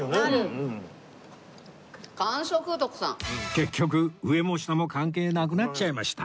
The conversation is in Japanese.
結局上も下も関係なくなっちゃいました